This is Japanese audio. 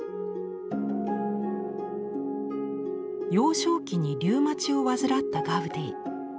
幼少期にリューマチを患ったガウディ。